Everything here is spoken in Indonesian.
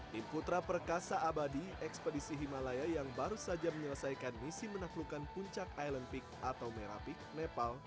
tim putra perkasa abadi ekspedisi himalaya yang baru saja menyelesaikan misi menaklukkan puncak island peak atau merah peak nepal